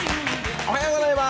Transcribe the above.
おはようございます。